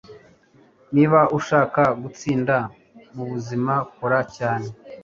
Niba ushaka gutsinda mubuzima kora cyane